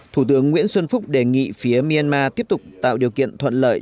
thủ tướng nguyễn xuân phúc đề nghị phía myanmar tiếp tục tạo điều kiện thuận lợi